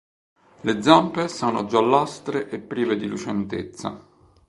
Le zampe sono giallastre e prive di lucentezza.